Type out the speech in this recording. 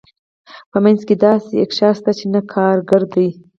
په منځ کې داسې اقشار شته چې نه کارګر دي.